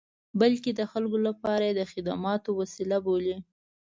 بلکې د خلکو لپاره یې د خدماتو وسیله بولي.